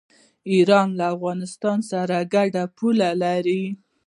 ایران له افغانستان سره ګډه پوله لري.